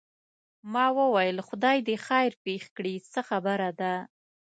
ما وویل خدای دې خیر پېښ کړي څه خبره ده.